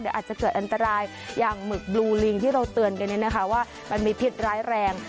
เดี๋ยวอาจจะเกิดอันตรายอย่างหมึกบลูลิงที่เราเตือนในนี้นะคะว่ามันมีผิดร้ายแรง